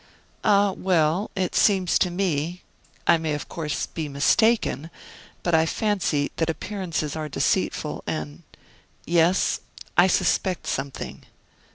"Ah, well! it seems to me I may, of course, be mistaken but I fancy that appearances are deceitful, and Yes, I suspect something."